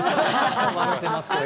笑ってますけども。